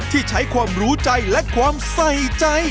ที่ใช้ความรู้ใจและความใส่ใจ